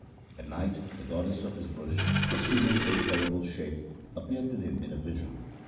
At night the goddess of his worship, assuming a terrible shape, appeared to him in a vision.